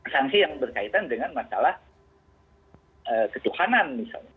sanksi yang berkaitan dengan masalah ketuhanan misalnya